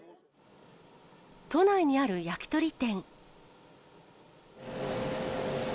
都内にある焼き鳥店。